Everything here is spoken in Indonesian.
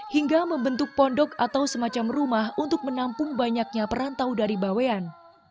hingga membentuk pondok atau semacam rumah untuk menampung banyaknya perantau dari bawean